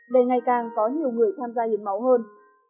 để ngày càng có nhiều người tham gia hiến máu hơn